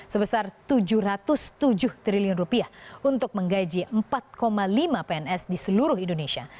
sebesar rp tujuh ratus tujuh triliun untuk menggaji empat lima pns di seluruh indonesia